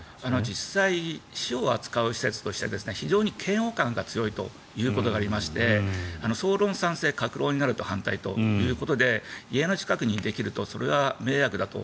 実際、死を扱う施設として非常に嫌悪感が強いということがありまして総論賛成、各論になると反対ということで家の近くにできるとそれは迷惑だと。